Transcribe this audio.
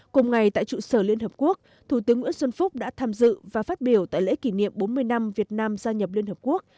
cùng ngày tại trụ sở liên hợp quốc thủ tướng nguyễn xuân phúc đã tham dự và phát biểu tại lễ kỷ niệm bốn mươi năm việt nam gia nhập liên hợp quốc